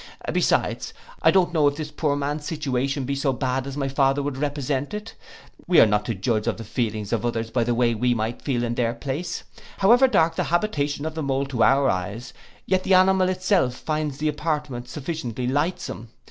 Besides, I don't know if this poor man's situation be so bad as my father would represent it. We are not to judge of the feelings of others by what we might feel if in their place. However dark the habitation of the mole to our eyes, yet the animal itself finds the apartment sufficiently lightsome.